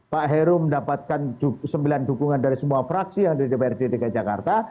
pak heru mendapatkan sembilan dukungan dari semua fraksi yang ada di dprd dki jakarta